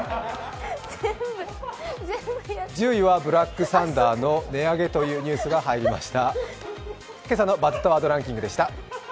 １０位はブラックサンダーの値上げというニュースが入りました。